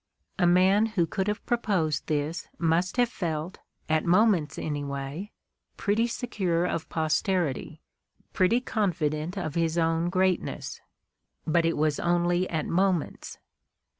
A man who could have proposed this must have felt, at moments anyway, pretty secure of posterity, pretty confident of his own greatness. But it was only at moments.